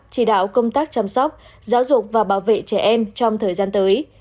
chỉ đạo công tác chăm sóc giáo dục và bảo vệ trẻ em trong thời gian tới